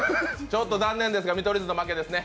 ちょっと残念ですが、見取り図の負けですね。